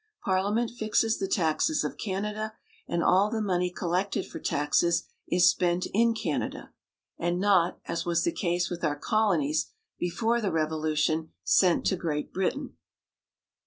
Parliament fixes the taxes of Canada, and all the money collected for taxes is spent in Canada, and not, as was the case with our colonies be fore the Revolution, sent to Great Britain.